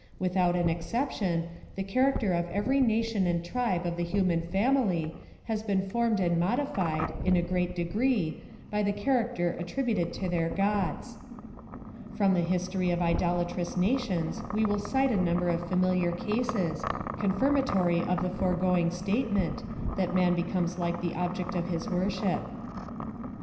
Without an exception, the character of every nation and tribe of the human family has been formed and modified, in a great degree, by the character attributed to their gods. From the history of idolatrous nations we will cite a number of familiar cases, confirmatory of the foregoing statement, that man becomes like the ob ject of his worship.